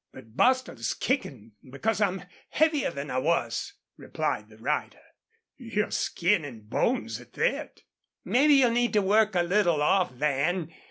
But Bostil is kickin' because I'm heavier than I was," replied the rider. "You're skin an' bones at thet." "Mebbe you'll need to work a little off, Van.